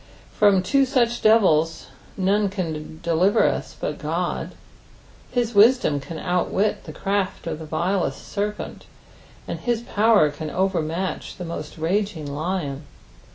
From two such deriis none can deliver us but Qod. Hl3 wisdom can outwit the craft of the vilest serpent, and his power can overmntch the most raging lion.